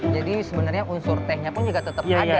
jadi sebenarnya unsur tehnya pun juga tetap ada ya